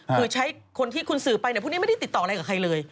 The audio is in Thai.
คือใช้คนที่คุณสื่อไปพวกนี้ไม่ได้ติดต่ออะไรกับใครเลย